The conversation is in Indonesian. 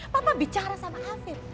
papa bicara sama afif